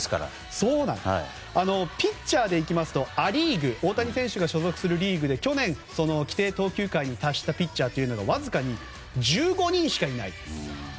ピッチャーでいきますとア・リーグ大谷選手が所属するリーグで去年、規定投球回に達したピッチャーがわずかに１５人しかいない。